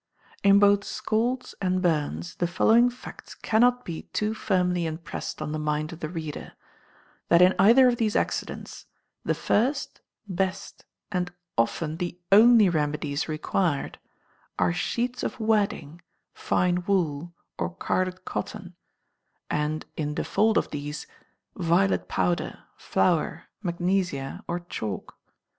In both scalds and burns, the following facts cannot be too firmly impressed on the mind of the reader, that in either of these accidents the first, best, and often the only remedies required, are sheets of wadding, fine wool, or carded cotton, and in default of these, violet powder, flour, magnesia, or chalk.